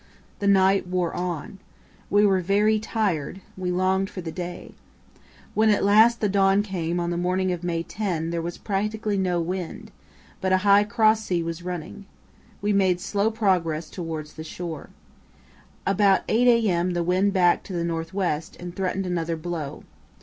The night wore on. We were very tired. We longed for day. When at last the dawn came on the morning of May 10 there was practically no wind, but a high cross sea was running. We made slow progress towards the shore. About 8 a.m. the wind backed to the north west and threatened another blow.